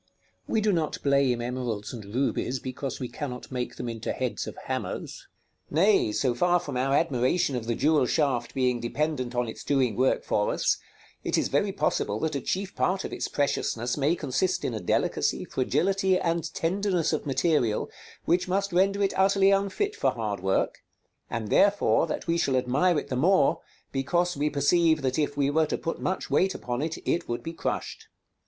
We do not blame emeralds and rubies because we cannot make them into heads of hammers. Nay, so far from our admiration of the jewel shaft being dependent on its doing work for us, it is very possible that a chief part of its preciousness may consist in a delicacy, fragility, and tenderness of material, which must render it utterly unfit for hard work; and therefore that we shall admire it the more, because we perceive that if we were to put much weight upon it, it would be crushed.